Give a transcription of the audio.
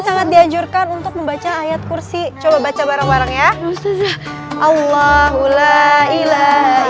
sangat diajurkan untuk membaca ayat kursi coba baca bareng bareng ya allahulailah